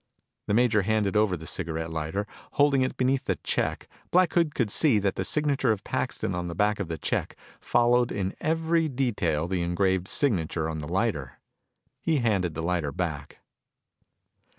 The major handed over the cigarette lighter. Holding it beneath the check, Black Hood could see that the signature of Paxton on the back of the check followed in every detail the engraved signature on the lighter. He handed the lighter back.